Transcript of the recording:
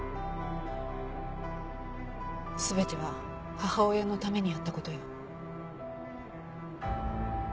全ては母親のためにやったことよ。